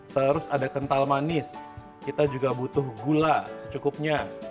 terus ada kental manis kita juga butuh gula secukupnya